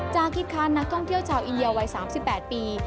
คิดค้านนักท่องเที่ยวชาวอินเดียวัย๓๘ปี